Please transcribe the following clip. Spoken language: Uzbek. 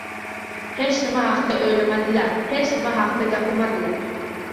Hech nima haqida oʻylamadilar, hech nima haqida gapirmadilar